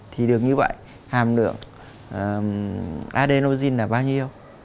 thì được như vậy hàm lượng adenogin là bao nhiêu